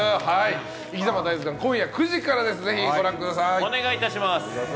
『いきざま大図鑑』今夜９時からです、ぜひご覧ください。